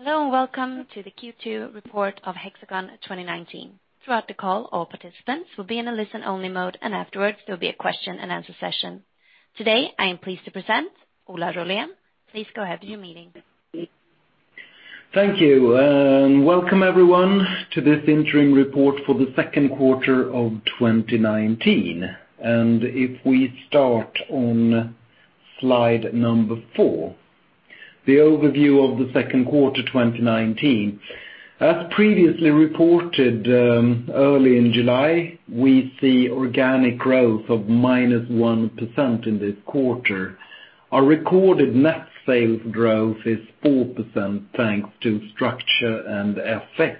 Hello, and welcome to the Q2 report of Hexagon 2019. Throughout the call, all participants will be in a listen-only mode, and afterwards there will be a question and answer session. Today, I am pleased to present Ola Rollén. Please go ahead with your meeting. Thank you. Welcome everyone to this interim report for the second quarter of 2019. If we start on slide number four, the overview of the second quarter 2019. As previously reported, early in July, we see organic growth of -1% in this quarter. Our recorded net sales growth is 4%, thanks to structure and FX.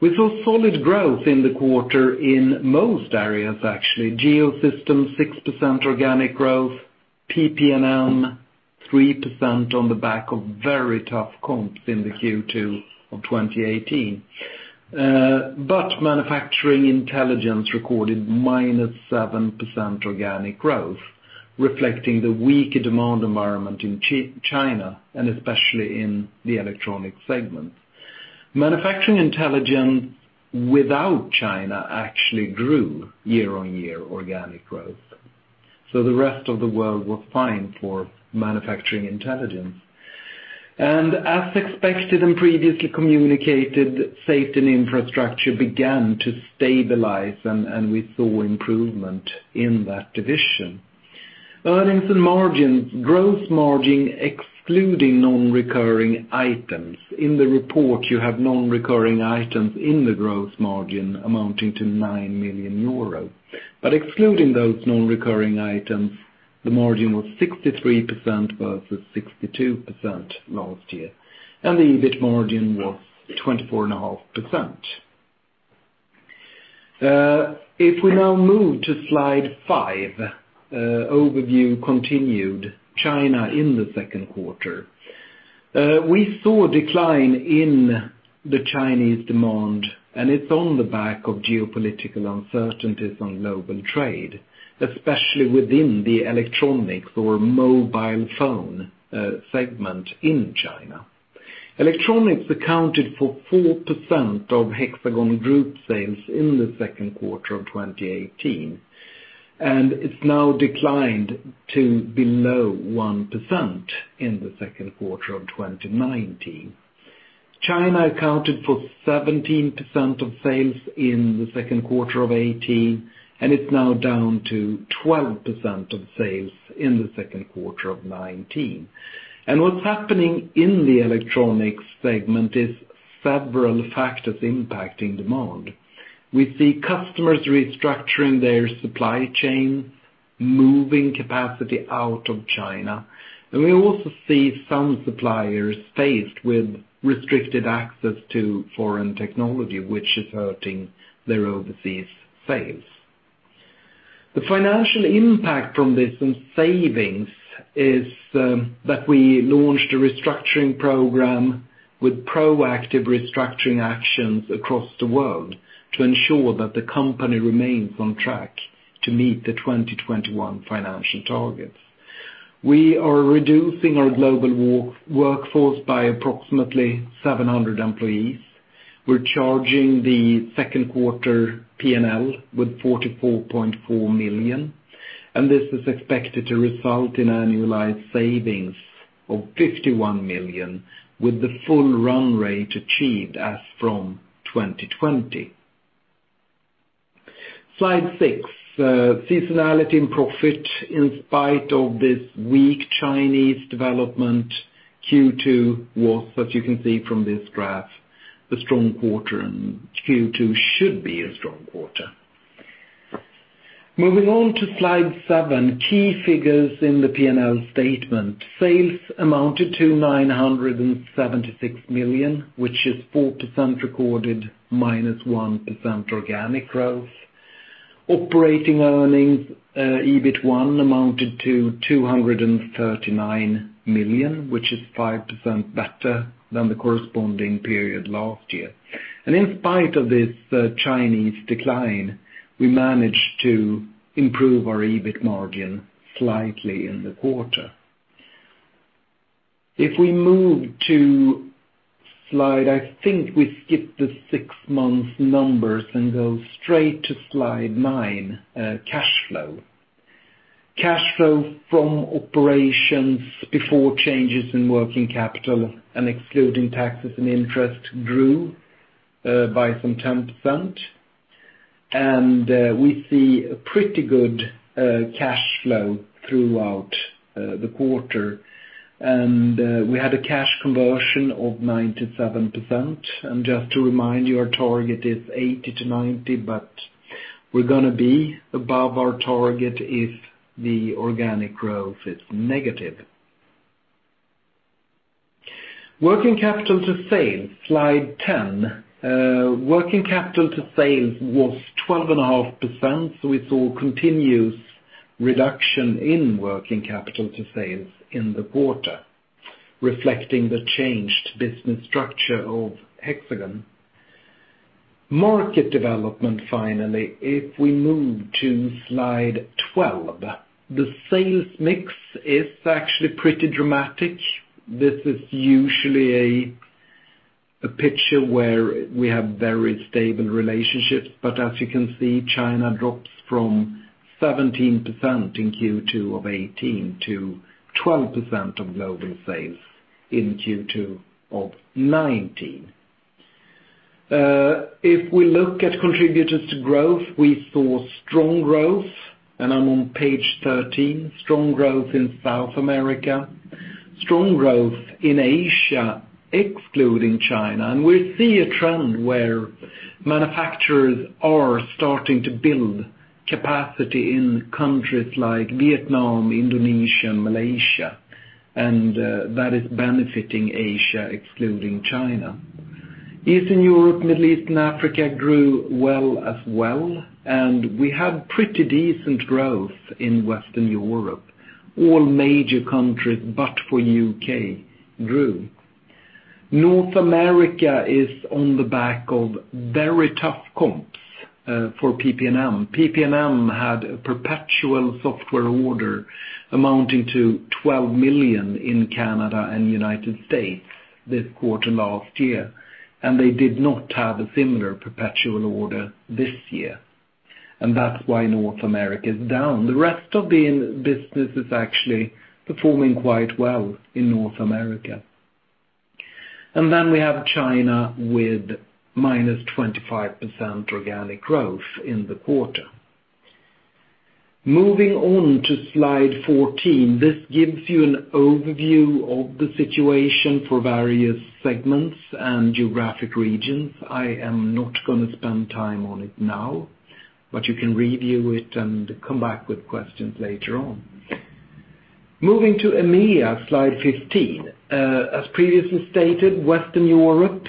We saw solid growth in the quarter in most areas, actually. Geosystems, 6% organic growth, PP&M 3% on the back of very tough comps in the Q2 of 2018. Manufacturing Intelligence recorded -7% organic growth, reflecting the weaker demand environment in China, and especially in the electronic segment. Manufacturing Intelligence without China actually grew year-on-year organic growth. The rest of the world was fine for Manufacturing Intelligence. As expected and previously communicated, Safety and Infrastructure began to stabilize, and we saw improvement in that division. Earnings and margins. Gross margin, excluding non-recurring items. In the report, you have non-recurring items in the gross margin amounting to 9 million euro. Excluding those non-recurring items, the margin was 63% versus 62% last year, and the EBIT margin was 24.5%. If we now move to slide five, overview continued. China in the second quarter. We saw a decline in the Chinese demand. It's on the back of geopolitical uncertainties on global trade, especially within the electronics or mobile phone segment in China. Electronics accounted for 4% of Hexagon group sales in the second quarter of 2018. It's now declined to below 1% in the second quarter of 2019. China accounted for 17% of sales in the second quarter of 2018. It's now down to 12% of sales in the second quarter of 2019. What's happening in the electronics segment is several factors impacting demand. We see customers restructuring their supply chain, moving capacity out of China, and we also see some suppliers faced with restricted access to foreign technology, which is hurting their overseas sales. The financial impact from this and savings is that we launched a restructuring program with proactive restructuring actions across the world to ensure that the company remains on track to meet the 2021 financial targets. We are reducing our global workforce by approximately 700 employees. We're charging the second quarter P&L with 44.4 million, and this is expected to result in annualized savings of 51 million, with the full run rate achieved as from 2020. Slide six. Seasonality and profit. In spite of this weak Chinese development, Q2 was, as you can see from this graph, a strong quarter, and Q2 should be a strong quarter. Moving on to slide seven, key figures in the P&L statement. Sales amounted to 976 million, which is 4% recorded, -1% organic growth. Operating earnings, EBIT 1 amounted to 239 million, which is 5% better than the corresponding period last year. In spite of this Chinese decline, we managed to improve our EBIT margin slightly in the quarter. I think we skip the six months numbers and go straight to slide nine, cash flow. Cash flow from operations before changes in working capital and excluding taxes and interest grew by some 10%. We see a pretty good cash flow throughout the quarter. We had a cash conversion of 97%. Just to remind you, our target is 80%-90%. We're going to be above our target if the organic growth is negative. Working capital to sales, slide 10. Working capital to sales was 12.5%. We saw continuous reduction in working capital to sales in the quarter, reflecting the changed business structure of Hexagon. Market development finally. If we move to slide 12, the sales mix is actually pretty dramatic. This is usually a picture where we have very stable relationships. As you can see, China drops from 17% in Q2 of 2018 to 12% of global sales in Q2 of 2019. If we look at contributors to growth, we saw strong growth. I'm on page 13. Strong growth in South America, strong growth in Asia, excluding China. We see a trend where manufacturers are starting to build capacity in countries like Vietnam, Indonesia, and Malaysia, and that is benefiting Asia, excluding China. Eastern Europe, Middle East, and Africa grew well as well. We had pretty decent growth in Western Europe. All major countries, but for U.K., grew. North America is on the back of very tough comps for PP&M. PP&M had a perpetual software order amounting to 12 million in Canada and United States this quarter last year, and they did not have a similar perpetual order this year. That's why North America is down. The rest of the business is actually performing quite well in North America. Then we have China with -25% organic growth in the quarter. Moving on to slide 14, this gives you an overview of the situation for various segments and geographic regions. I am not going to spend time on it now, but you can review it and come back with questions later on. Moving to EMEA, slide 15. As previously stated, Western Europe,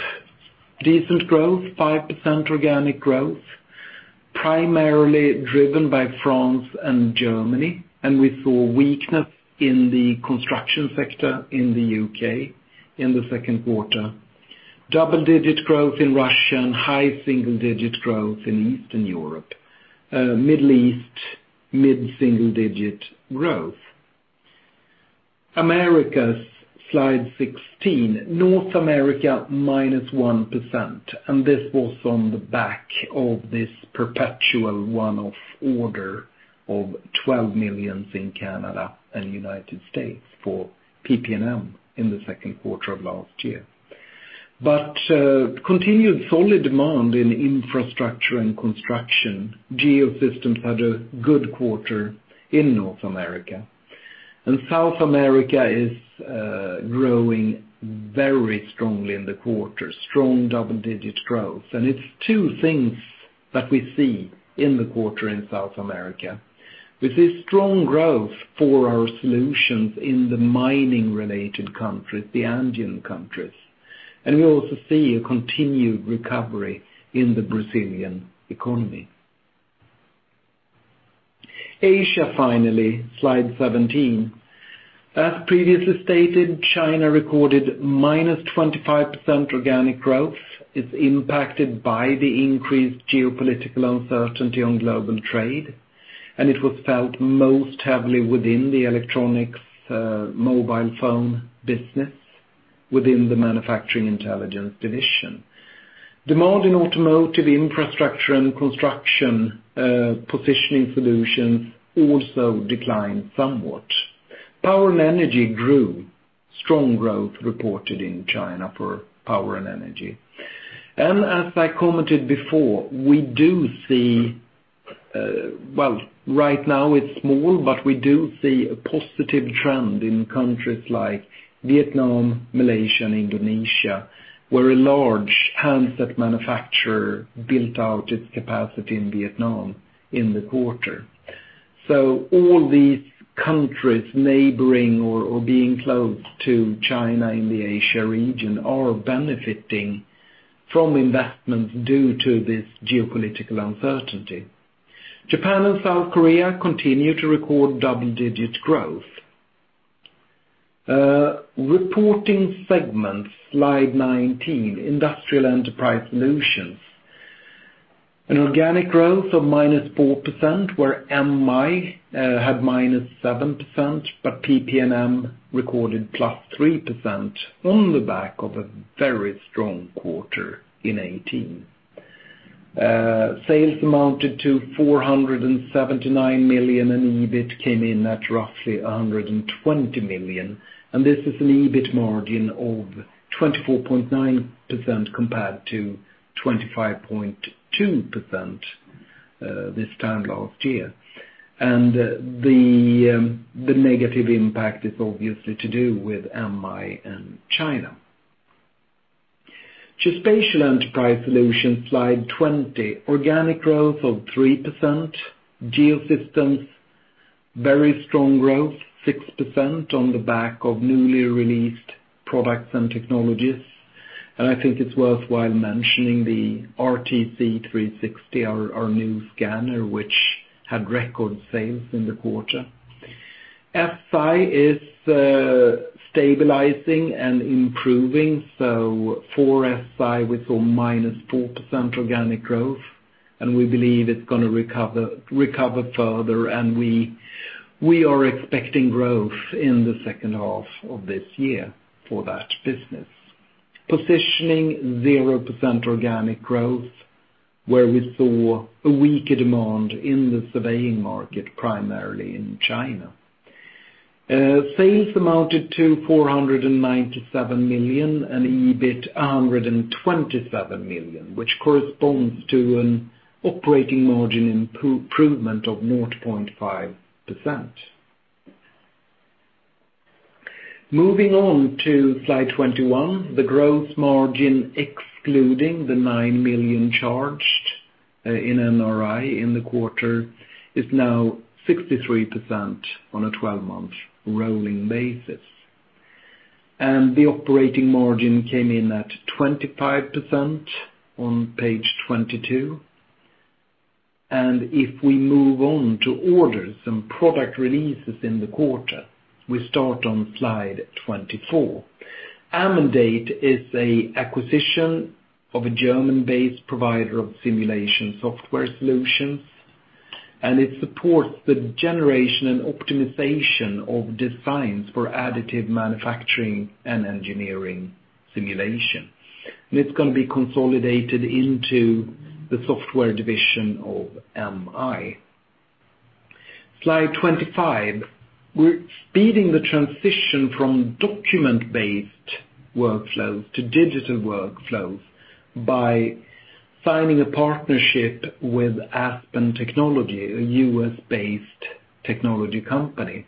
decent growth, 5% organic growth, primarily driven by France and Germany. We saw weakness in the construction sector in the U.K. in the second quarter. Double-digit growth in Russia and high single-digit growth in Eastern Europe. Middle East, mid single-digit growth. Americas, slide 16. North America, -1%, this was on the back of this perpetual one-off order of 12 million in Canada and United States for PP&M in the second quarter of last year. Continued solid demand in infrastructure and construction. Geosystems had a good quarter in North America. South America is growing very strongly in the quarter, strong double-digit growth. It is two things that we see in the quarter in South America. We see strong growth for our solutions in the mining-related countries, the Andean countries. We also see a continued recovery in the Brazilian economy. Asia, finally, slide 17. As previously stated, China recorded -25% organic growth, is impacted by the increased geopolitical uncertainty on global trade, it was felt most heavily within the electronics mobile phone business within the Manufacturing Intelligence division. Demand in automotive infrastructure and construction positioning solutions also declined somewhat. Power and energy grew. Strong growth reported in China for power and energy. As I commented before, right now it's small, but we do see a positive trend in countries like Vietnam, Malaysia, and Indonesia, where a large handset manufacturer built out its capacity in Vietnam in the quarter. All these countries neighboring or being close to China in the Asia region are benefiting from investments due to this geopolitical uncertainty. Japan and South Korea continue to record double-digit growth. Reporting segments, slide 19, Industrial Enterprise Solutions. An organic growth of -4%, where MI had -7%, but PP&M recorded +3% on the back of a very strong quarter in 2018. Sales amounted to 479 million, EBIT came in at roughly 120 million. This is an EBIT margin of 24.9% compared to 25.2% this time last year. The negative impact is obviously to do with MI and China. Geospatial Enterprise Solutions, slide 20. Organic growth of 3%. Geosystems, very strong growth, 6% on the back of newly released products and technologies. I think it's worthwhile mentioning the RTC360, our new scanner, which had record sales in the quarter. SI is stabilizing and improving. For SI, we saw -4% organic growth, and we believe it's going to recover further. We are expecting growth in the second half of this year for that business. Positioning, 0% organic growth, where we saw a weaker demand in the surveying market, primarily in China. Sales amounted to 497 million and EBIT 127 million, which corresponds to an operating margin improvement of 0.5%. Moving on to slide 21, the growth margin, excluding the 9 million charged in MI in the quarter, is now 63% on a 12-month rolling basis. The operating margin came in at 25% on page 22. If we move on to orders and product releases in the quarter, we start on slide 24. AMendate is an acquisition of a German-based provider of simulation software solutions, and it supports the generation and optimization of designs for additive manufacturing and engineering simulation. It's going to be consolidated into the software division of MI. Slide 25. We're speeding the transition from document-based workflows to digital workflows by signing a partnership with Aspen Technology, a U.S.-based technology company.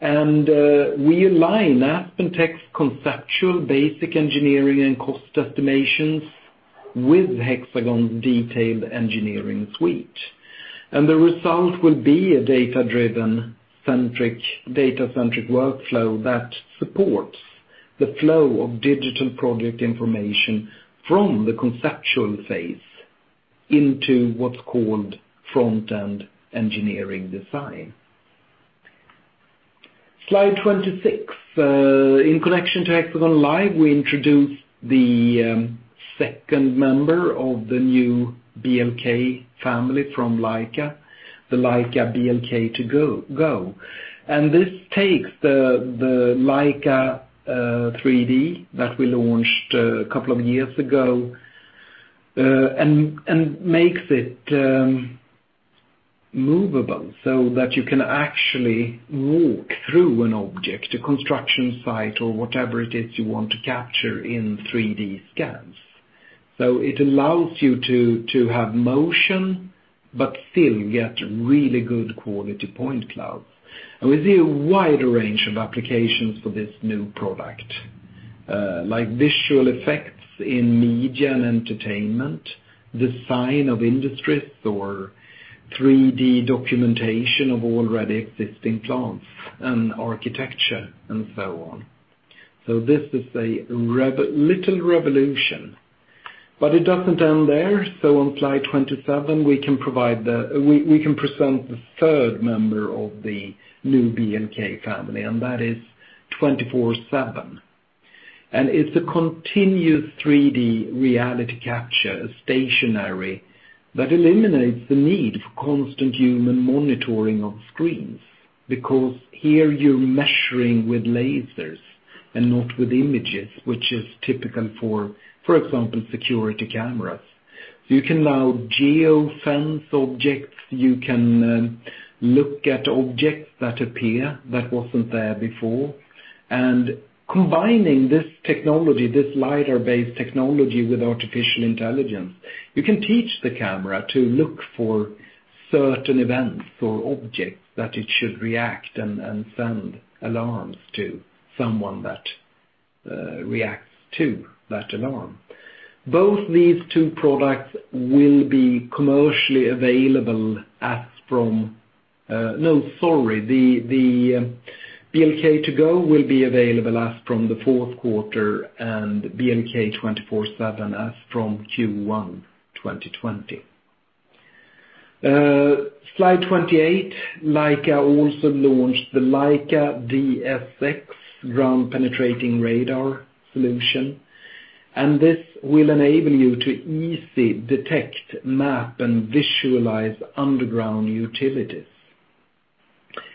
We align AspenTech's conceptual basic engineering and cost estimations with Hexagon's detailed engineering suite. The result will be a data-centric workflow that supports the flow of digital project information from the conceptual phase into what's called front-end engineering design. Slide 26. In connection to HxGN LIVE, we introduced the second member of the new BLK family from Leica, the Leica BLK2GO. This takes the Leica BLK3D that we launched a couple of years ago and makes it movable so that you can actually walk through an object, a construction site or whatever it is you want to capture in 3D scans. It allows you to have motion but still get really good quality point cloud. We see a wide range of applications for this new product, like visual effects in media and entertainment, design of industries, or 3D documentation of already existing plants and architecture and so on. This is a little revolution. It doesn't end there. On slide 27, we can present the third member of the new BLK family, and that is BLK247. It's a continuous 3D reality capture, a stationary that eliminates the need for constant human monitoring of screens, because here you're measuring with lasers and not with images, which is typical for example, security cameras. You can allow geofence objects, you can look at objects that appear that wasn't there before. Combining this technology, this lidar-based technology with artificial intelligence, you can teach the camera to look for certain events or objects that it should react and send alarms to someone that reacts to that alarm. Both these two products will be commercially available, the BLK2GO will be available as from the fourth quarter and BLK247 as from Q1 2020. Slide 28. Leica also launched the Leica DSX ground-penetrating radar solution, and this will enable you to easily detect, map, and visualize underground utilities.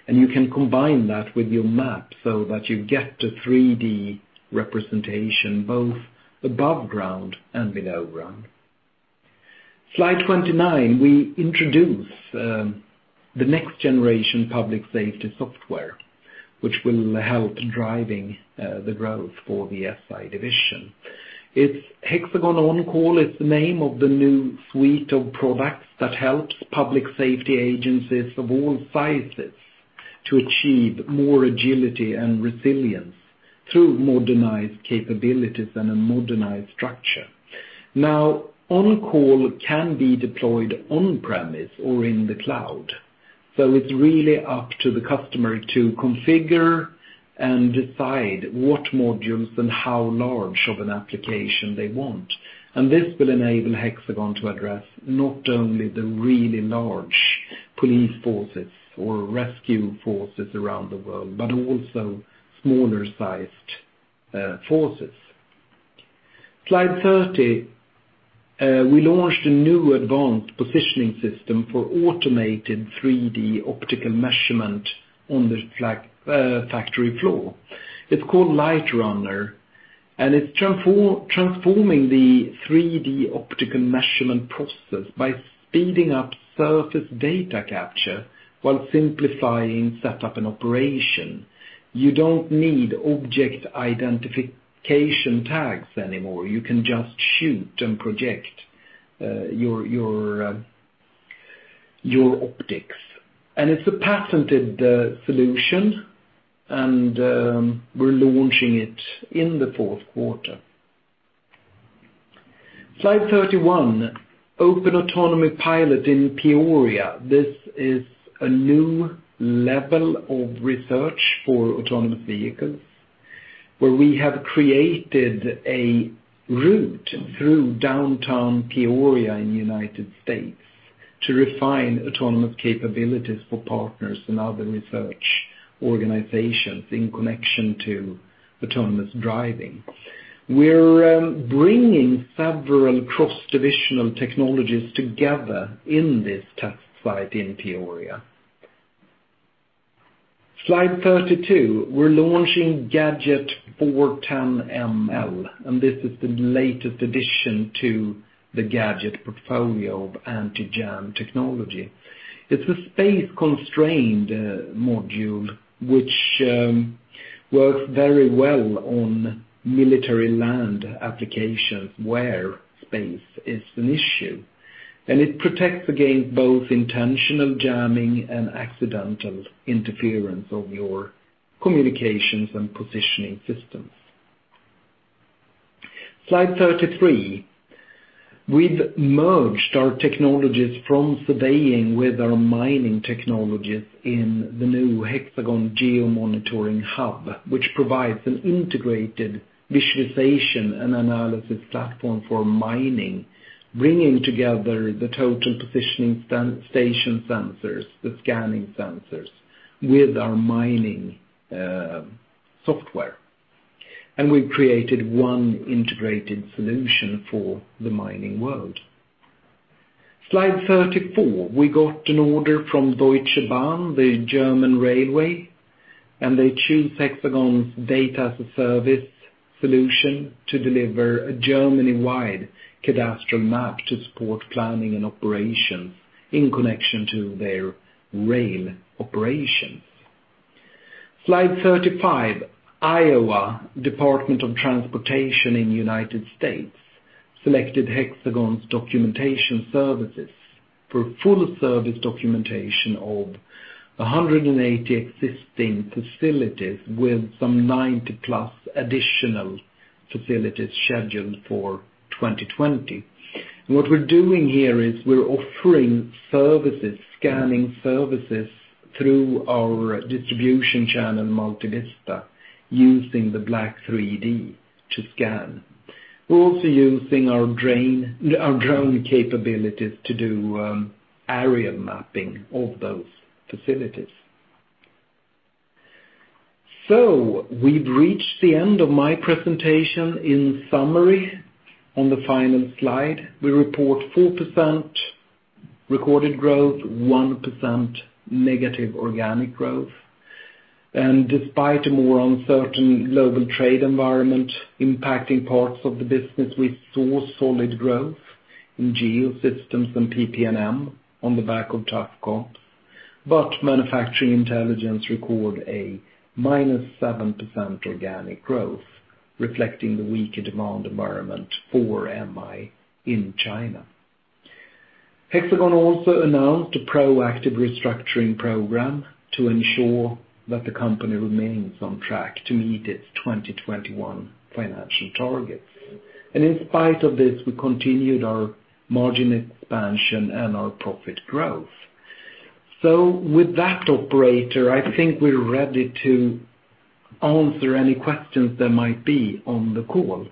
You can combine that with your map so that you get a 3D representation, both above ground and below ground. Slide 29, we introduce the next generation public safety software, which will help driving the growth for the SI division. HxGN OnCall is the name of the new suite of products that helps public safety agencies of all sizes to achieve more agility and resilience through modernized capabilities and a modernized structure. Now, OnCall can be deployed on premise or in the cloud. It's really up to the customer to configure and decide what modules and how large of an application they want. This will enable Hexagon to address not only the really large police forces or rescue forces around the world, but also smaller sized forces. Slide 30. We launched a new advanced positioning system for automated 3D optical measurement on the factory floor. It's called LightRunner, and it's transforming the 3D optical measurement process by speeding up surface data capture while simplifying setup and operation. You don't need object identification tags anymore. You can just shoot and project your optics. It's a patented solution, and we're launching it in the fourth quarter. Slide 31. Open autonomy pilot in Peoria. This is a new level of research for autonomous vehicles, where we have created a route through downtown Peoria in the U.S. to refine autonomous capabilities for partners and other research organizations in connection to autonomous driving. We're bringing several cross-divisional technologies together in this test site in Peoria. Slide 32. We're launching GAJT-410ML, this is the latest addition to the GAJT portfolio of anti-jam technology. It's a space-constrained module which works very well on military land applications where space is an issue, it protects against both intentional jamming and accidental interference of your communications and positioning systems. Slide 33. We've merged our technologies from surveying with our mining technologies in the new HxGN GeoMonitoring Hub, which provides an integrated visualization and analysis platform for mining, bringing together the total positioning station sensors, the scanning sensors, with our mining software. We've created one integrated solution for the mining world. Slide 34. We got an order from Deutsche Bahn, the German railway, and they choose Hexagon's data as a service solution to deliver a Germany-wide cadastral map to support planning and operations in connection to their rail operations. Slide 35. Iowa Department of Transportation in the U.S. selected Hexagon's documentation services for full service documentation of 180 existing facilities with some 90+ additional facilities scheduled for 2020. What we're doing here is we're offering services, scanning services, through our distribution channel, Multivista, using the BLK3D to scan. We're also using our drone capabilities to do aerial mapping of those facilities. We've reached the end of my presentation. In summary, on the final slide, we report 4% recorded growth, 1% negative organic growth. Despite a more uncertain global trade environment impacting parts of the business, we saw solid growth in Geosystems and PP&M on the back of tough comps. Manufacturing Intelligence record a -7% organic growth, reflecting the weaker demand environment for MI in China. Hexagon also announced a proactive restructuring program to ensure that the company remains on track to meet its 2021 financial targets. In spite of this, we continued our margin expansion and our profit growth. With that, operator, I think we're ready to answer any questions there might be on the call.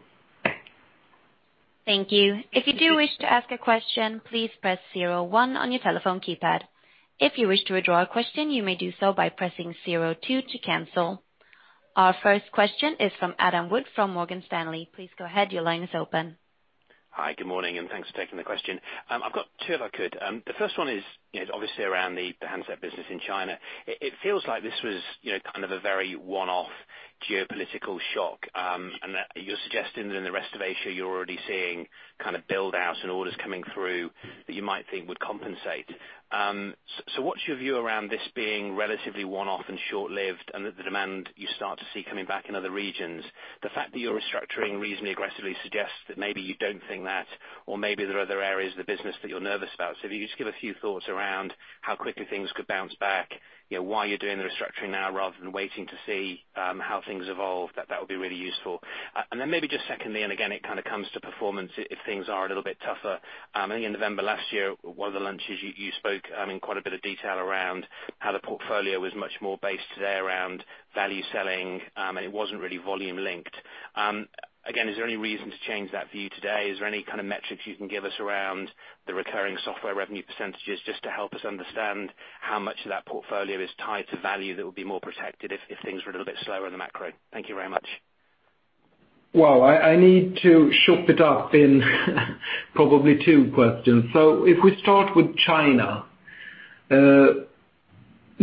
Thank you. If you do wish to ask a question, please press zero one on your telephone keypad. If you wish to withdraw a question, you may do so by pressing zero two to cancel. Our first question is from Adam Wood, from Morgan Stanley. Please go ahead. Your line is open. Hi. Good morning. Thanks for taking the question. I've got two if I could. The first one is obviously around the handset business in China. It feels like this was kind of a very one-off geopolitical shock, and that you're suggesting that in the rest of Asia, you're already seeing build-outs and orders coming through that you might think would compensate. What's your view around this being relatively one-off and short-lived, and that the demand you start to see coming back in other regions? The fact that you're restructuring reasonably aggressively suggests that maybe you don't think that or maybe there are other areas of the business that you're nervous about. If you could just give a few thoughts around how quickly things could bounce back, why you're doing the restructuring now rather than waiting to see how things evolve, that would be really useful. Then maybe just secondly, and again, it kind of comes to performance if things are a little bit tougher. I think in November last year, one of the lunches you spoke in quite a bit of detail around how the portfolio was much more based today around value selling, and it wasn't really volume linked. Again, is there any reason to change that view today? Is there any kind of metrics you can give us around the recurring software revenue percentages just to help us understand how much of that portfolio is tied to value that would be more protected if things were a little bit slower in the macro? Thank you very much. Well, I need to chop it up in probably two questions. If we start with China,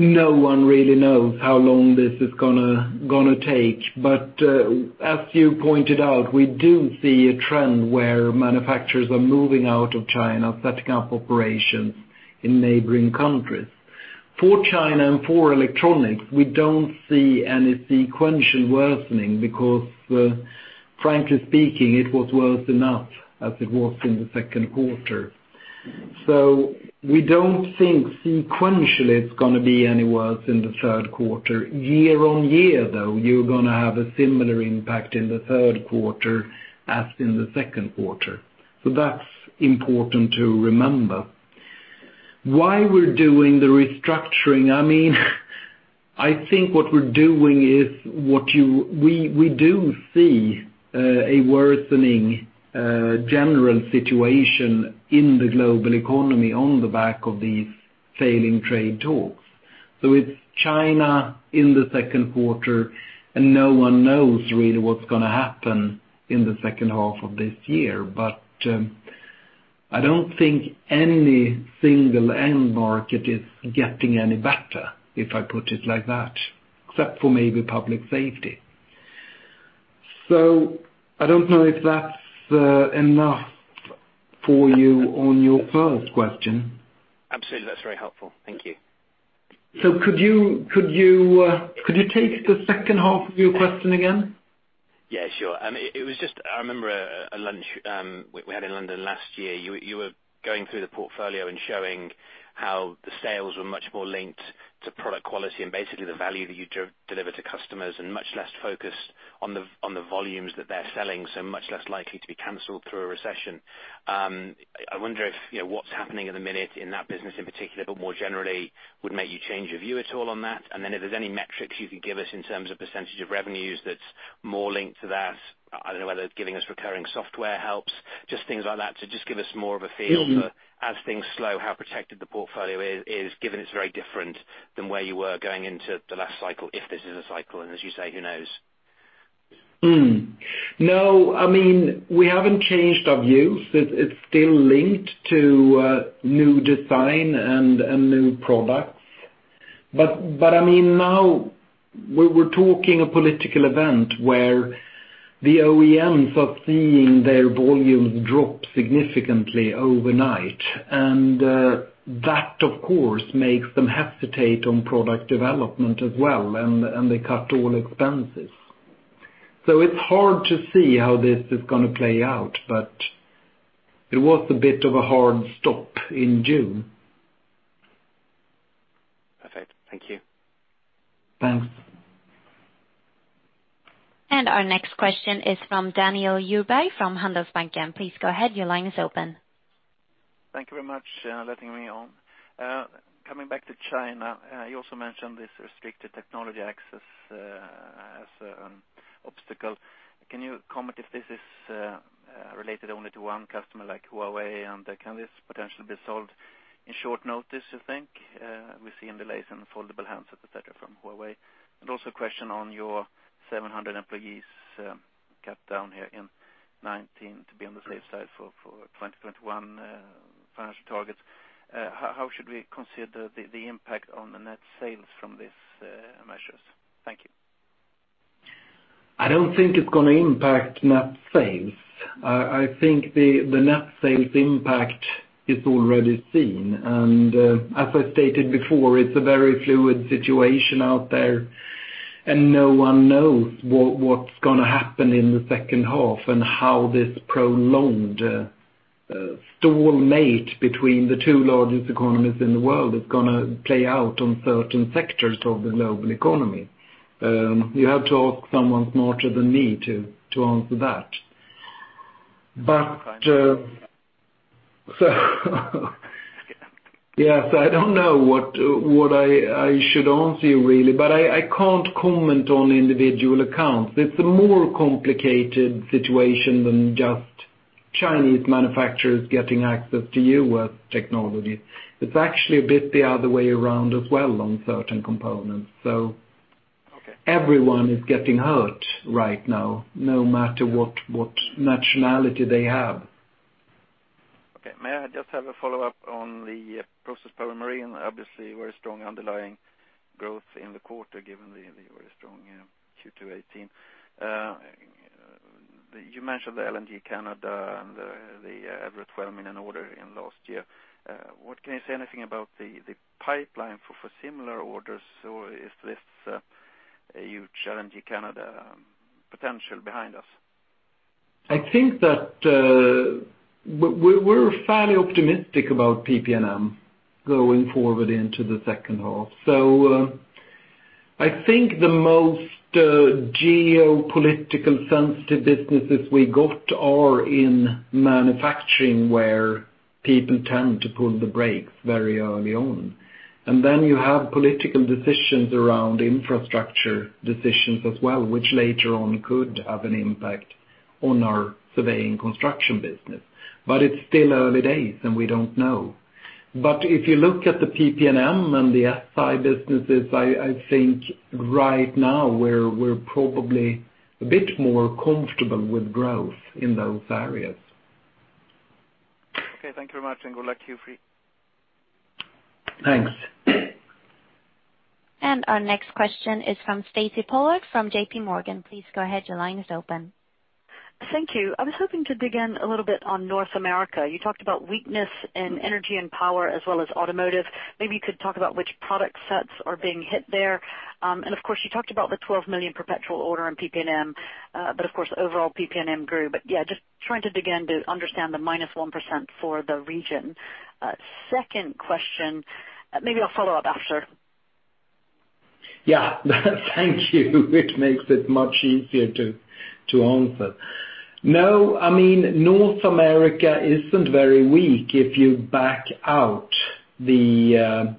no one really knows how long this is going to take. As you pointed out, we do see a trend where manufacturers are moving out of China, setting up operations in neighboring countries. For China and for electronics, we don't see any sequential worsening because, frankly speaking, it was worse enough as it was in the second quarter. We don't think sequentially it's going to be any worse in the third quarter. Year-on-year, though, you're going to have a similar impact in the third quarter as in the second quarter. That's important to remember. Why we're doing the restructuring, I think what we're doing is we do see a worsening general situation in the global economy on the back of these failing trade talks. It's China in the second quarter, and no one knows really what's going to happen in the second half of this year. I don't think any single end market is getting any better, if I put it like that, except for maybe public safety. I don't know if that's enough for you on your first question. Absolutely. That's very helpful. Thank you. Could you take the second half of your question again? Sure. It was just, I remember a lunch we had in London last year. You were going through the portfolio and showing how the sales were much more linked to product quality, and basically the value that you deliver to customers and much less focused on the volumes that they're selling, so much less likely to be canceled through a recession. I wonder what's happening at the minute in that business in particular, but more generally, would make you change your view at all on that? If there's any metrics you could give us in terms of percentage of revenues that's more linked to that. I don't know whether giving us recurring software helps. Just things like that to just give us more of a feel. As things slow, how protected the portfolio is, given it's very different than where you were going into the last cycle, if this is a cycle, and as you say, who knows? No, we haven't changed our views. It's still linked to new design and new products. Now we were talking a political event where the OEMs are seeing their volumes drop significantly overnight. That, of course, makes them hesitate on product development as well, and they cut all expenses. It's hard to see how this is going to play out, but it was a bit of a hard stop in June. Perfect. Thank you. Thanks. Our next question is from Daniel Djurberg from Handelsbanken. Please go ahead. Your line is open. Thank you very much letting me on. Coming back to China, you also mentioned this restricted technology access as an obstacle. Can you comment if this is related only to one customer like Huawei, and can this potentially be solved in short notice, you think? We see in delays in foldable handsets, et cetera, from Huawei. A question on your 700 employees cut down here in 2019 to be on the safe side for 2021 financial targets. How should we consider the impact on the net sales from these measures? Thank you. I don't think it's going to impact net sales. I think the net sales impact is already seen. As I stated before, it's a very fluid situation out there, and no one knows what's going to happen in the second half and how this prolonged stalemate between the two largest economies in the world is going to play out on certain sectors of the global economy. You have to ask someone smarter than me to answer that. Yes, I don't know what I should answer you, really. I can't comment on individual accounts. It's a more complicated situation than just Chinese manufacturers getting access to U.S. technology. It's actually a bit the other way around as well on certain components. Okay. Everyone is getting hurt right now, no matter what nationality they have. Okay. May I just have a follow-up on the Process, Power & Marine? Obviously, very strong underlying growth in the quarter, given the very strong Q2 2018. You mentioned the LNG Canada and the Everett EUR 12 million order in last year. Can you say anything about the pipeline for similar orders? Or is this a huge LNG Canada potential behind us? I think that we're fairly optimistic about PP&M going forward into the second half. I think the most geopolitical sensitive businesses we got are in manufacturing, where people tend to pull the brakes very early on. Then you have political decisions around infrastructure decisions as well, which later on could have an impact on our surveying construction business. It's still early days, and we don't know. If you look at the PP&M and the SI businesses, I think right now we're probably a bit more comfortable with growth in those areas. Okay, thank you very much, and good luck to you. Thanks. Our next question is from Stacy Pollard from JPMorgan. Please go ahead. Your line is open. Thank you. I was hoping to dig in a little bit on North America. You talked about weakness in energy and power as well as automotive. Maybe you could talk about which product sets are being hit there. Of course, you talked about the 12 million perpetual order in PP&M, but of course, overall PP&M grew. Yeah, just trying to dig in to understand the -1% for the region. Second question. Maybe I'll follow up after. Yeah. Thank you. It makes it much easier to answer. No, North America isn't very weak if you back out the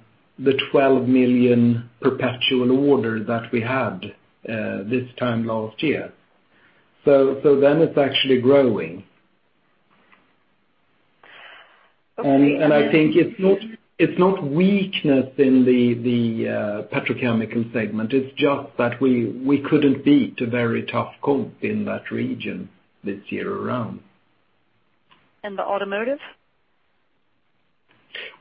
12 million perpetual order that we had this time last year. It's actually growing. Okay. I think it's not weakness in the petrochemical segment, it's just that we couldn't beat a very tough comp in that region this year around. The automotive?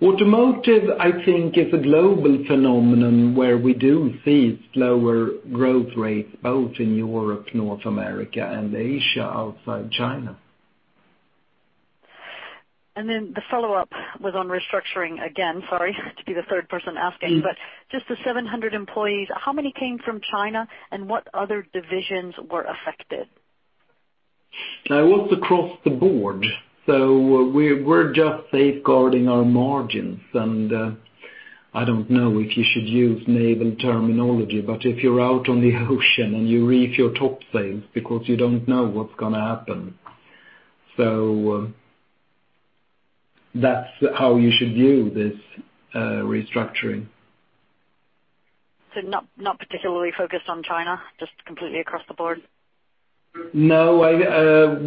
Automotive, I think is a global phenomenon where we do see slower growth rates, both in Europe, North America, and Asia, outside China. The follow-up was on restructuring again. Sorry, to be the third person asking. Just the 700 employees, how many came from China, and what other divisions were affected? It was across the board. We're just safeguarding our margins, and I don't know if you should use naval terminology, but if you're out on the ocean and you reef your topsails because you don't know what's going to happen. That's how you should view this restructuring. Not particularly focused on China, just completely across the board? No.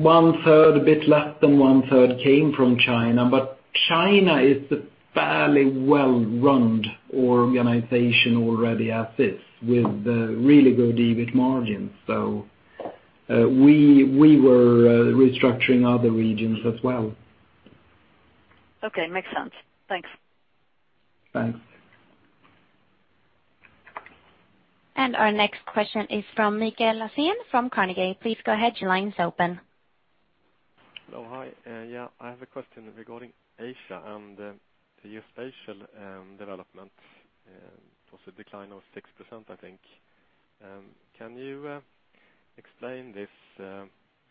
One third, a bit less than 1/3 came from China, but China is a fairly well-runned organization already as is, with really good EBIT margins. We were restructuring other regions as well. Okay. Makes sense. Thanks. Thanks. Our next question is from Mikael Laséen from Carnegie. Please go ahead. Your line's open. Hello. Hi. Yeah. I have a question regarding Asia and the geospatial development. It was a decline of 6%, I think. Can you explain this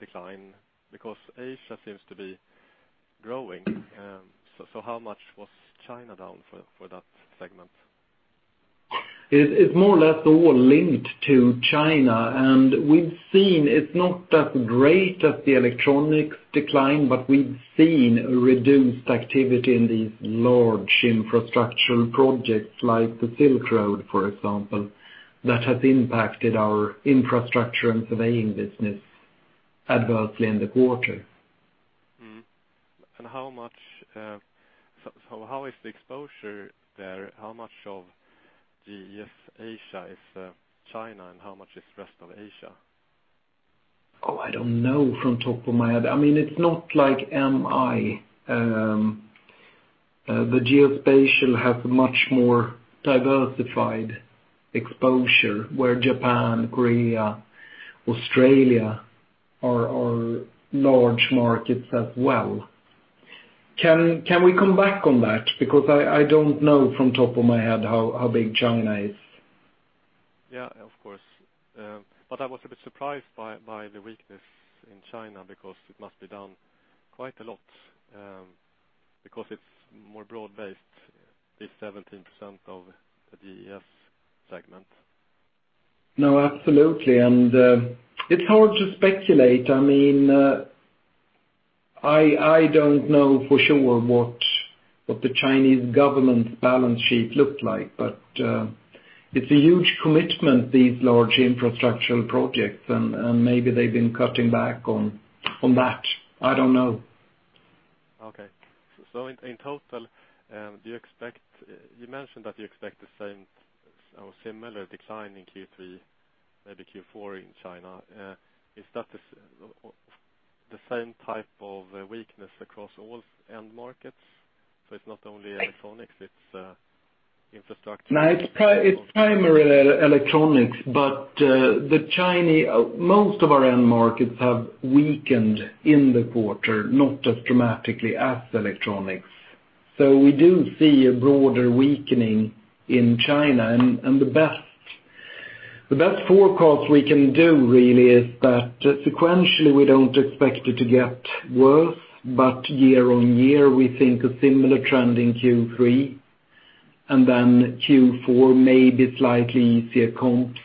decline? Because Asia seems to be growing. How much was China down for that segment? It's more or less all linked to China, and we've seen it's not as great as the electronics decline, but we've seen a reduced activity in these large infrastructural projects like the Silk Road, for example, that has impacted our infrastructure and surveying business adversely in the quarter. How is the exposure there? How much of GES Asia is China, and how much is rest of Asia? I don't know from top of my head. It's not like MI. The geospatial has a much more diversified exposure where Japan, Korea, Australia are large markets as well. Can we come back on that? I don't know from top of my head how big China is. Yeah, of course. I was a bit surprised by the weakness in China, because it must be down quite a lot, because it's more broad-based, this 17% of the GES segment. No, absolutely. It's hard to speculate. I don't know for sure what the Chinese government's balance sheet looked like, but it's a huge commitment, these large infrastructural projects, and maybe they've been cutting back on that. I don't know. Okay. In total, you mentioned that you expect the same or similar decline in Q3, maybe Q4 in China. Is that the same type of weakness across all end markets? It's not only electronics, it's infrastructure. No, it's primary electronics. Most of our end markets have weakened in the quarter, not as dramatically as electronics. We do see a broader weakening in China. The best forecast we can do really is that sequentially, we don't expect it to get worse, but year-on-year, we think a similar trend in Q3, then Q4 may be slightly easier comps.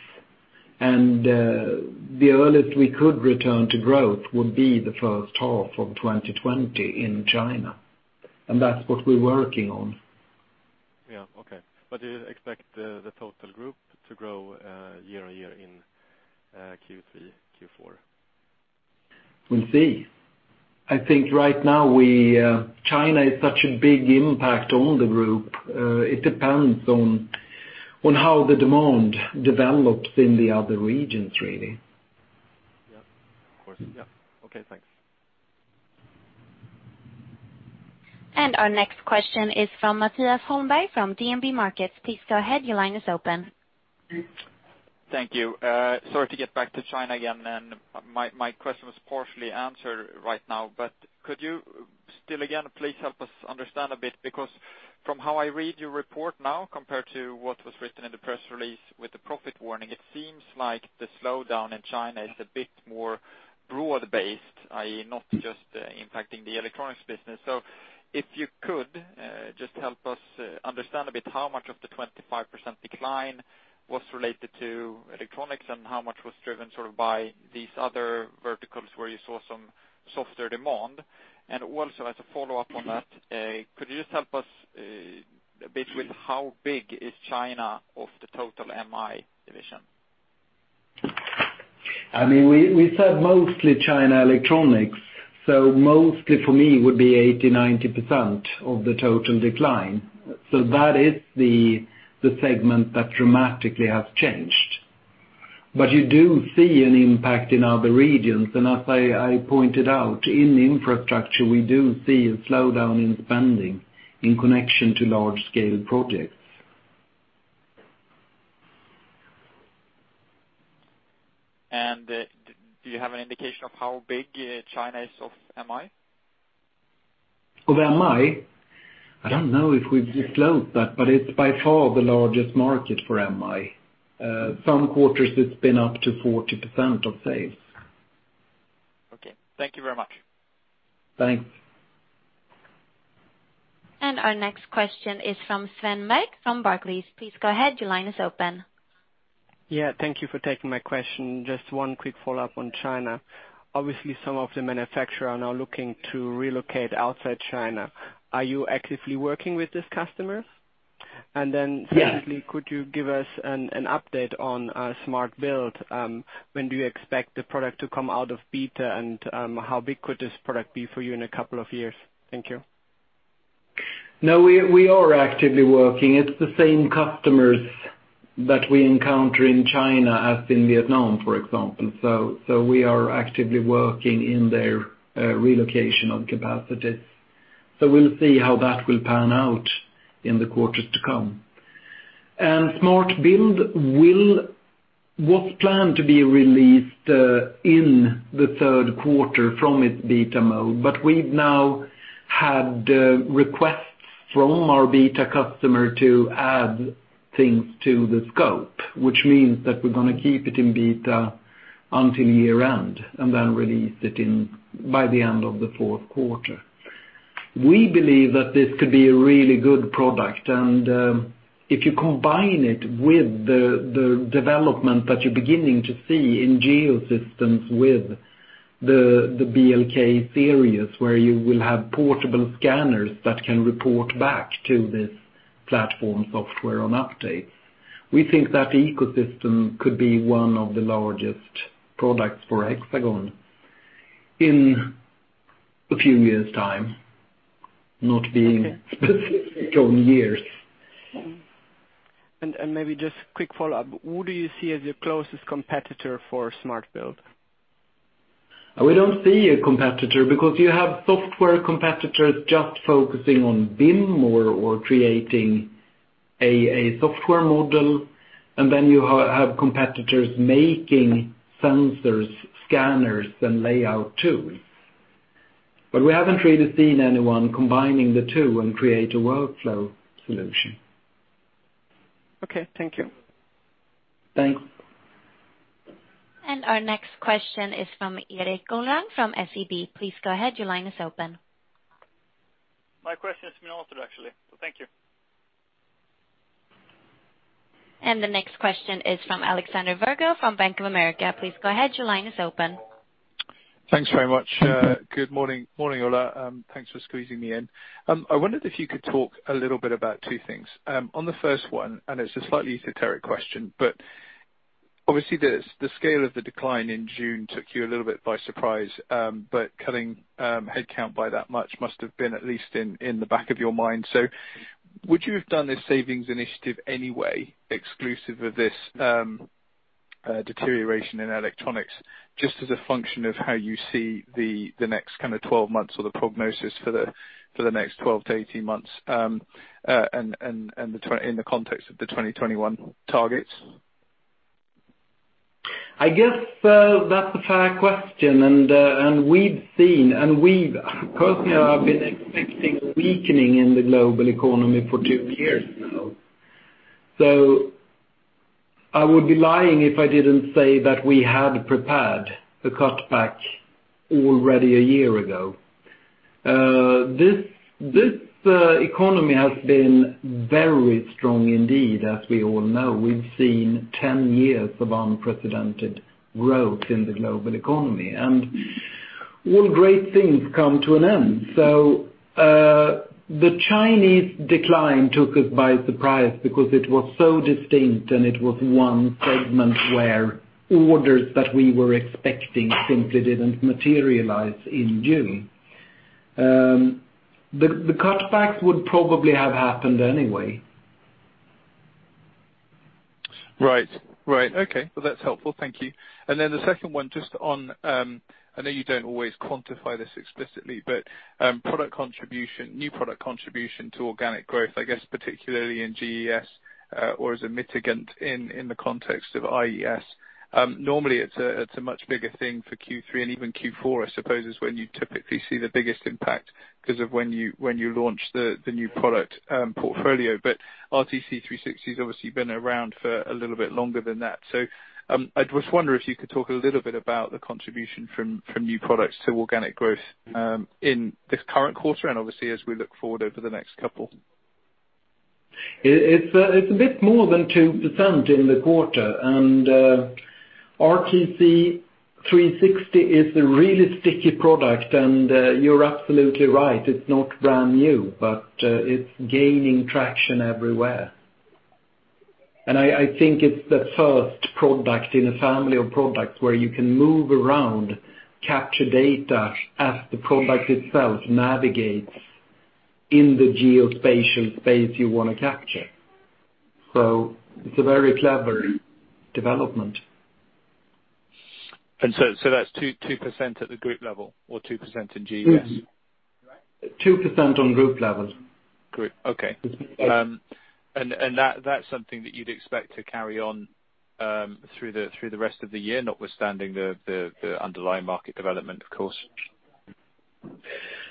The earliest we could return to growth would be the first half of 2020 in China. That's what we're working on. Yeah. Okay. Do you expect the total group to grow year-on-year in Q3, Q4? We'll see. I think right now, China is such a big impact on the group. It depends on how the demand develops in the other regions, really. Of course. Yeah. Okay. Thanks. Our next question is from Mattias Holmberg from DNB Markets. Please go ahead. Your line is open. Thank you. Sorry to get back to China again, my question was partially answered right now, but could you still, again, please help us understand a bit, because from how I read your report now compared to what was written in the press release with the profit warning, it seems like the slowdown in China is a bit more broad-based, i.e., not just impacting the electronics business. If you could, just help us understand a bit how much of the 25% decline was related to electronics and how much was driven by these other verticals where you saw some softer demand. Also, as a follow-up on that, could you just help us a bit with how big is China of the total MI division? We said mostly China electronics, mostly for me would be 80%, 90% of the total decline. That is the segment that dramatically has changed. You do see an impact in other regions, and as I pointed out, in infrastructure, we do see a slowdown in spending in connection to large-scale projects. Do you have an indication of how big China is of MI? Of MI? Yeah. I don't know if we've disclosed that, but it's by far the largest market for MI. Some quarters, it's been up to 40% of sales. Okay. Thank you very much. Thanks. Our next question is from Sven Merkt from Barclays. Please go ahead. Your line is open. Yeah. Thank you for taking my question. Just one quick follow-up on China. Obviously, some of the manufacturers are now looking to relocate outside China. Are you actively working with these customers? Yeah. Could you give us an update on Smart Build? When do you expect the product to come out of beta, and how big could this product be for you in a couple of years? Thank you. No, we are actively working. It's the same customers that we encounter in China as in Vietnam, for example. We are actively working in their relocation of capacities. We'll see how that will pan out in the quarters to come. Smart Build was planned to be released in the third quarter from its beta mode, but we've now had requests from our beta customer to add things to the scope, which means that we're going to keep it in beta until year-end, and then release it by the end of the fourth quarter. We believe that this could be a really good product, and if you combine it with the development that you're beginning to see in Geosystems with the BLK series, where you will have portable scanners that can report back to this platform software on updates. We think that ecosystem could be one of the largest products for Hexagon in a few years' time, not being specific on years. Maybe just a quick follow-up. Who do you see as your closest competitor for Smart Build? We don't see a competitor because you have software competitors just focusing on BIM or creating a software model, and then you have competitors making sensors, scanners, and layout tools. We haven't really seen anyone combining the two and create a workflow solution. Okay. Thank you. Thanks. Our next question is from Erik Golrang from SEB. Please go ahead. Your line is open. My question has been answered, actually. Thank you. The next question is from Alexander Virgo from Bank of America. Please go ahead. Your line is open. Thanks very much. Good morning. Morning, Ola. Thanks for squeezing me in. I wondered if you could talk a little bit about two things. On the first one, it's a slightly esoteric question, obviously, the scale of the decline in June took you a little bit by surprise, cutting headcount by that much must have been at least in the back of your mind. Would you have done this savings initiative anyway, exclusive of this deterioration in electronics, just as a function of how you see the next 12 months or the prognosis for the next 12-18 months, and in the context of the 2021 targets? I guess that's a fair question, and we've seen, and we've personally have been expecting a weakening in the global economy for two years now. I would be lying if I didn't say that we had prepared a cutback already a year ago. This economy has been very strong indeed, as we all know. We've seen 10 years of unprecedented growth in the global economy, and all great things come to an end. The Chinese decline took us by surprise because it was so distinct, and it was one segment where orders that we were expecting simply didn't materialize in June. The cutbacks would probably have happened anyway. Right. Okay. Well, that's helpful. Thank you. The second one, I know you don't always quantify this explicitly, but new product contribution to organic growth, I guess particularly in GES, or as a mitigant in the context of IES. Normally, it's a much bigger thing for Q3 and even Q4, I suppose, is when you typically see the biggest impact because of when you launch the new product portfolio. RTC360 has obviously been around for a little bit longer than that. I just wonder if you could talk a little bit about the contribution from new products to organic growth in this current quarter and obviously as we look forward over the next couple. It's a bit more than 2% in the quarter. RTC360 is a really sticky product. You're absolutely right, it's not brand new, but it's gaining traction everywhere. I think it's the first product in a family of products where you can move around, capture data as the product itself navigates in the geospatial space you want to capture. It's a very clever development. That's 2% at the group level or 2% in GES, correct? 2% on group level. Group. Okay. Yes. That's something that you'd expect to carry on through the rest of the year, notwithstanding the underlying market development, of course.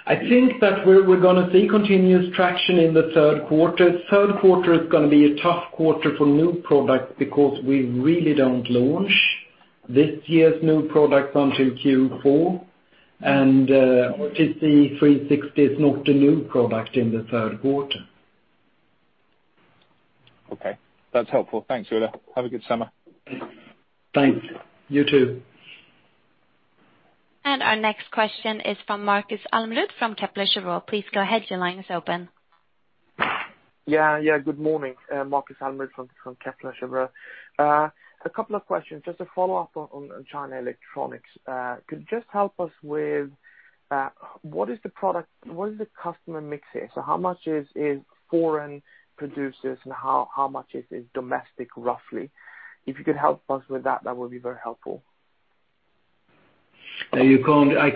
I think that we're going to see continuous traction in the third quarter. Third quarter is going to be a tough quarter for new products because we really don't launch this year's new product until Q4, and RTC360 is not a new product in the third quarter. Okay. That's helpful. Thanks, Ola. Have a good summer. Thanks. You too. Our next question is from Markus Almerud from Kepler Cheuvreux. Please go ahead. Your line is open. Yeah. Good morning. Markus Almerud from Kepler Cheuvreux. A couple of questions. Just a follow-up on China Electronics. Could you just help us with what is the customer mix here? How much is foreign producers and how much is domestic, roughly? If you could help us with that would be very helpful. I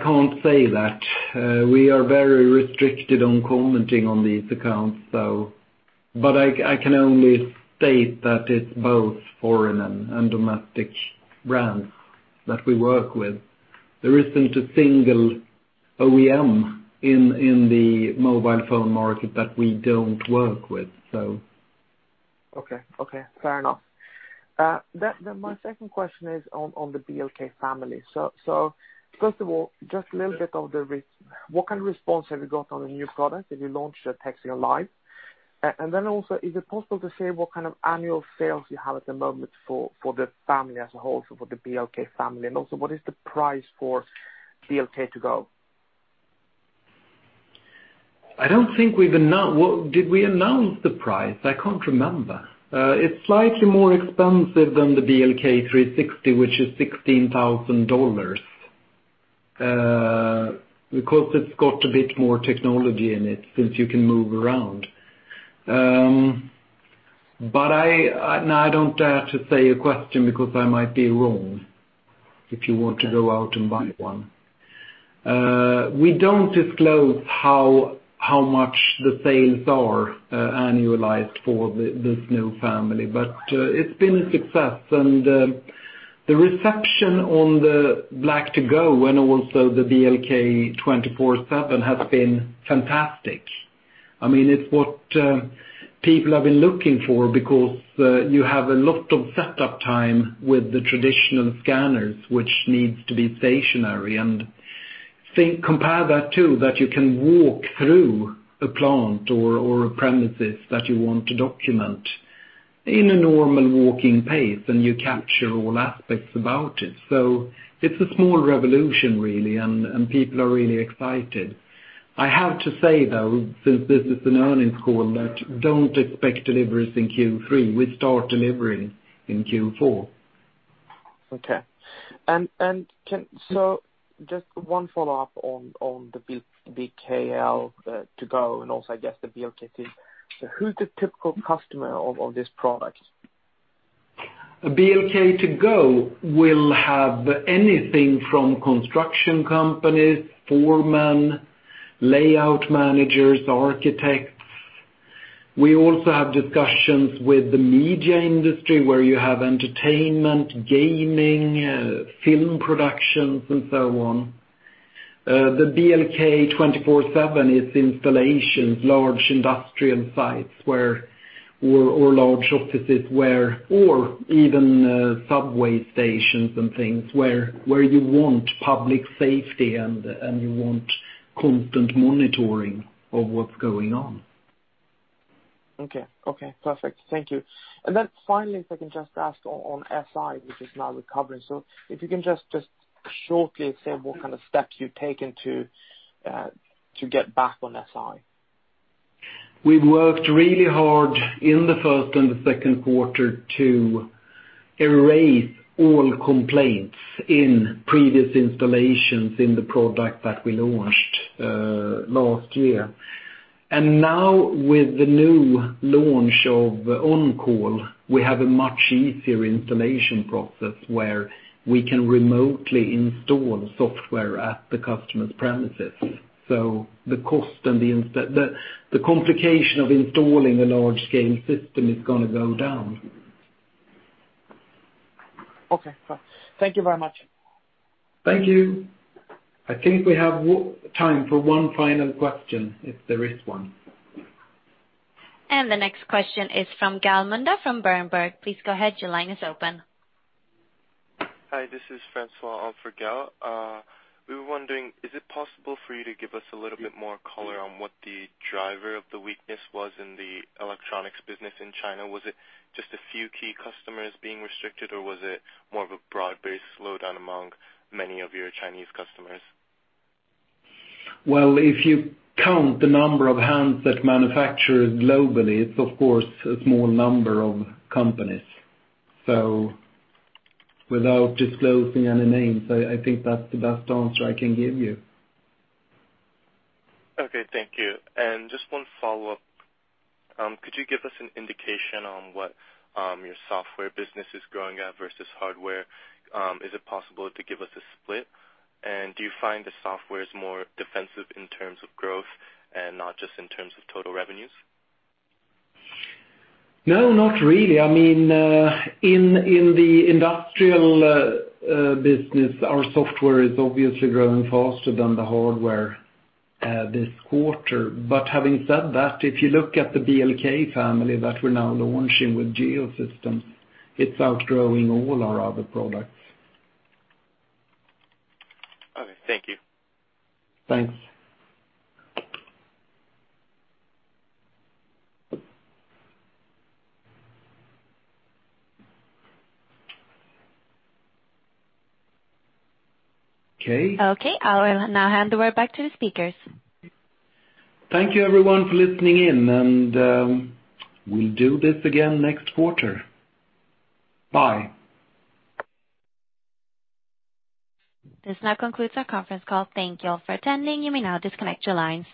can't say that. We are very restricted on commenting on these accounts, though. I can only state that it's both foreign and domestic brands that we work with. There isn't a single OEM in the mobile phone market that we don't work with. Okay. Fair enough. My second question is on the BLK family. First of all, just a little bit of the recap. What kind of response have you got on the new product that you launched at HxGN LIVE? Also, is it possible to say what kind of annual sales you have at the moment for the family as a whole, so for the BLK family? Also, what is the price for BLK2GO? Did we announce the price? I can't remember. It's slightly more expensive than the BLK360, which is $16,000, because it's got a bit more technology in it since you can move around. I don't dare to say a question because I might be wrong, if you want to go out and buy one. We don't disclose how much the sales are annualized for this new family, but it's been a success. The reception on the BLK2GO and also the BLK247 has been fantastic. It's what people have been looking for because you have a lot of setup time with the traditional scanners, which needs to be stationary, and compare that to that you can walk through a plant or a premises that you want to document in a normal walking pace, and you capture all aspects about it. It's a small revolution, really, and people are really excited. I have to say, though, since this is an earnings call, that don't expect deliveries in Q3. We start delivering in Q4. Okay. Just one follow-up on the BLK2GO, and also I guess the BLK3D. Who's the typical customer of this product? BLK2GO will have anything from construction companies, foremen, layout managers, architects. We also have discussions with the media industry, where you have entertainment, gaming, film productions, and so on. The BLK247 is installations, large industrial sites or large offices or even subway stations and things where you want public safety, and you want constant monitoring of what's going on. Okay. Perfect. Thank you. Finally, if I can just ask on SI, which is now recovering. If you can just shortly say what kind of steps you've taken to get back on SI? We've worked really hard in the first and the second quarter to erase all complaints in previous installations in the product that we launched last year. Now with the new launch of OnCall, we have a much easier installation process where we can remotely install software at the customer's premises. The cost and the complication of installing a large-scale system is going to go down. Okay, got it. Thank you very much. Thank you. I think we have time for one final question, if there is one. The next question is from Gal Munda from Berenberg. Please go ahead. Your line is open. Hi, this is Francois on for Gal. We were wondering, is it possible for you to give us a little bit more color on what the driver of the weakness was in the electronics business in China? Was it just a few key customers being restricted, or was it more of a broad-based slowdown among many of your Chinese customers? Well, if you count the number of handset manufacturers globally, it's of course, a small number of companies. Without disclosing any names, I think that's the best answer I can give you. Okay. Thank you. Just one follow-up. Could you give us an indication on what your software business is growing at versus hardware? Is it possible to give us a split? Do you find the software is more defensive in terms of growth and not just in terms of total revenues? No, not really. In the industrial business, our software is obviously growing faster than the hardware, this quarter. Having said that, if you look at the BLK family that we're now launching with Geosystems, it's outgrowing all our other products. Okay. Thank you. Thanks. Okay. Okay. I will now hand over back to the speakers. Thank you everyone for listening in. We'll do this again next quarter. Bye. This now concludes our conference call. Thank you all for attending. You may now disconnect your lines.